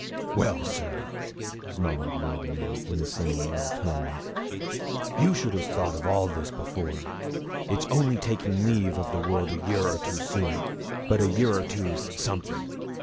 'Well, sir,' snarled the old man, in the same low tones, 'you should have thought of all this before. It's only taking leave of the world a year or two sooner, but a year or two's something.